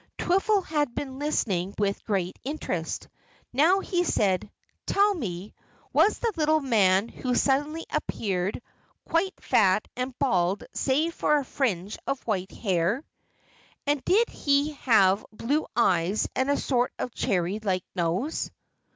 Twiffle had been listening with great interest. Now he said: "Tell me, was the little man who suddenly appeared quite fat and bald save for a fringe of white hair? And did he have blue eyes and a sort of cherry like nose?"